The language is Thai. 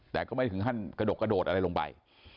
แต่ก็ไม่ถึงขั้นกระดกกระโดดอะไรลงไป